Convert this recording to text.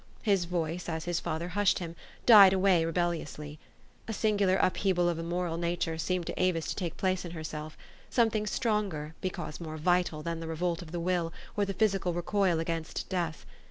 His voice, as his father hushed him, died away rebelliously; A sin gular upheaval of the moral nature seemed to Avis to take place in herself; something stronger, be cause more vital than the revolt of the will or the physical recoil against death.